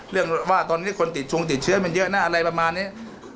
เรื่องว่าตอนนี้คนติดชงติดเชื้อมันเยอะนะอะไรประมาณนี้